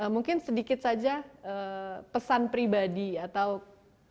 mungkin sedikit saja pesan pribadi atau keinginan